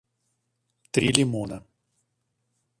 три лимона